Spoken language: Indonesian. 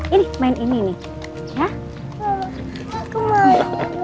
ini main ini nih ya